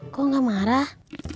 kok gak marah